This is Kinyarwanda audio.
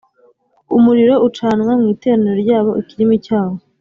Umuriro ucanwa mu iteraniro ryabo ikirimi cyawo